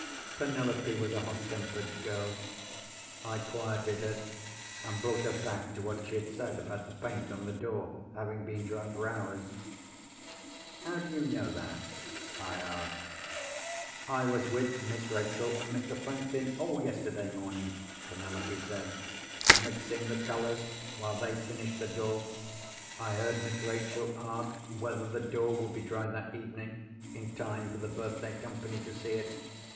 "Penelope was a hot tempered girl. I quieted her, and brought her back to what she had said about the paint on the door having been dry for hours. "'How do you know that?' I asked. "'I was with Miss Rachel, and Mr. Franklin, all yesterday morning,' Penelope said, 'mixing the colours, while they finished the door. I heard Miss Rachel ask whether the door would be dry that evening, in time for the birthday company to see it.